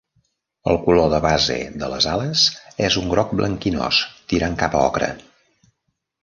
El color de base de les ales és un groc blanquinós tirant cap a ocre.